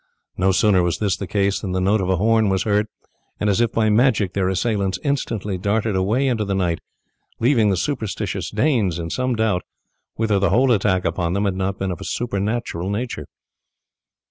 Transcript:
No sooner was this the case than the note of a horn was heard, and as if by magic their assailants instantly darted away into the night, leaving the superstitious Danes in some doubt whether the whole attack upon them had not been of a supernatural nature.